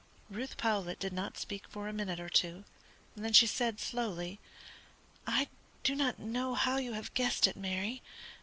Ruth Powlett did not speak for a minute or two, then she said, slowly: "I do not know how you have guessed it, Mary.